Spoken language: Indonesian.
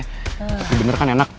tapi bener kan enak